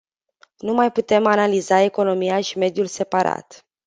Nu mai putem analiza economia și mediul separat.